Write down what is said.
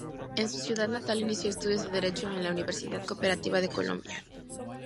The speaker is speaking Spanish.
En su ciudad natal inició estudios de derecho en la Universidad Cooperativa de Colombia.